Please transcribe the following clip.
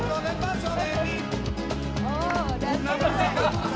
tapi saya akan mencoba dengan lebih cepat